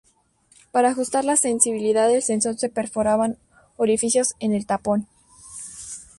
Para ajustar la sensibilidad del sensor se perforan orificios en el tapón.